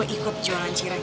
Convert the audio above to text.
gue ikut jualan cireng